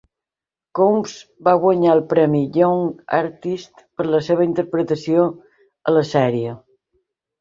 Combs va guanyar el premi Young Artist per la seva interpretació a la sèrie.